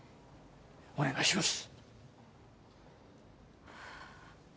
お願いします